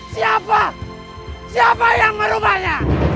siapa siapa yang merubahnya